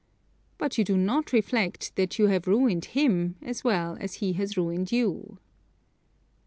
But you do not reflect that you have ruined him as well as he has ruined you.